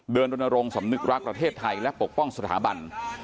รณรงค์สำนึกรักประเทศไทยและปกป้องสถาบัน